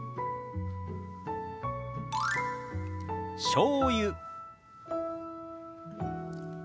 「しょうゆ」。